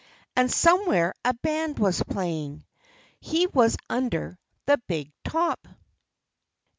And somewhere a band was playing. He was under the big top.